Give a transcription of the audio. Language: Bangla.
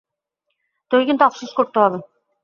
তোকে কিন্তু আফসোস করতে হবে।